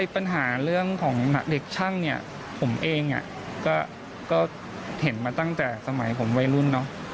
ปัญหาเรื่องของเด็กช่างเนี่ยผมเองก็เห็นมาตั้งแต่สมัยผมวัยรุ่นเนอะ